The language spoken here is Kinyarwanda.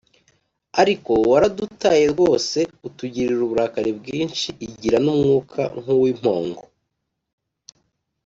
Ariko waradutaye rwose, Utugirira uburakari bwinshi. Igira n'umwuka nk'uw'impongo!